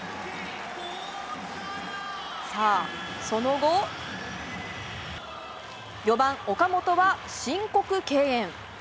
その後、４番、岡本は申告敬遠。